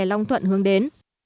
long thuận hướng đến